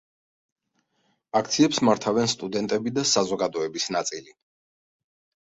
აქციებს მართავენ სტუდენტები და საზოგადოების ნაწილი.